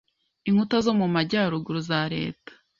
inkuta zo mu Majyarugu za leta